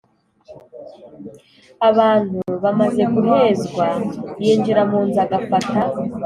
Abantu bamaze guhezwa yinjira mu nzu agafata